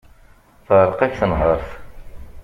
Teεreq-ak tenhert.